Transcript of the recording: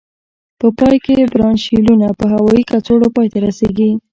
په پای کې برانشیولونه په هوایي کڅوړو پای ته رسيږي.